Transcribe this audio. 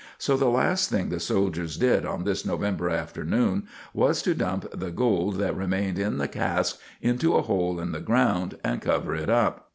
So the last thing the soldiers did on this November afternoon was to dump the gold that remained in the cask into a hole in the ground, and cover it up.